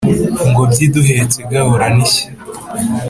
Ngobyi iduhetse gahorane ishya